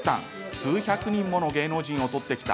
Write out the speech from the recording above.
数百人もの芸能人を撮ってきた